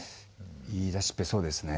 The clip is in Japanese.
言いだしっぺそうですね。